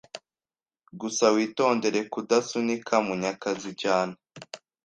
Gusa witondere kudasunika Munyakazi cyane.